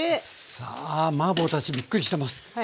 さあマーボーたちびっくりしてます。